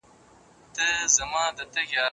غواړم چی پښتو ژبه د هر هیواد په ښونځيو کی وکارول شي